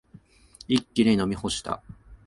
一気に飲み干した。